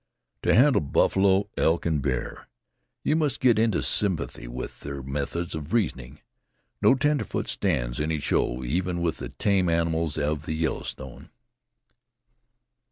"To handle buffalo, elk and bear, you must get into sympathy with their methods of reasoning. No tenderfoot stands any show, even with the tame animals of the Yellowstone."